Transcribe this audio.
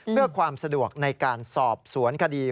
เพื่อความสะดวกในการสอบสวนคดี